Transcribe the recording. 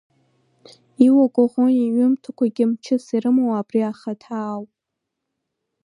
Иуа Коӷониа иҩымҭақәагьы мчыс ирымоу абри ахаҭа ауп!